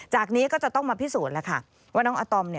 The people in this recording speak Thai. จากนี้ก็จะต้องมาพิสูจน์ว่านางอาตอม